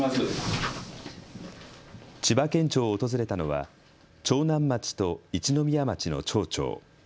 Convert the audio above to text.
千葉県庁を訪れたのは長南町と一宮町の町長。